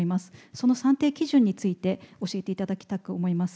その算定基準について、教えていただきたく思います。